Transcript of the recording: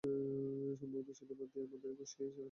সম্ভবত সেটি বাদ দিয়ে আমাদের এখন সেরা ছয়ে থাকার চেষ্টা করতে হবে।